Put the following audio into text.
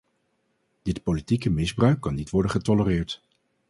Dit politieke misbruik kan niet worden getolereerd.